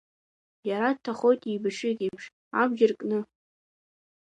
Иара дҭахоит еибашьҩык еиԥш, абџьар кны.